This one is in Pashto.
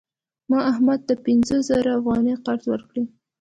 ما احمد ته پنځه زره افغانۍ قرض ورکړې.